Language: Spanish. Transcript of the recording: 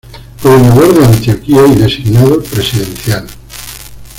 Gobernador de Antioquia y Designado Presidencial.